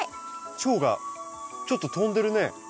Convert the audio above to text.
チョウがちょっと飛んでるね。